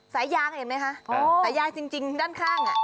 สายยางเห็นไหมคะสายยางจริงด้านข้างอ่ะ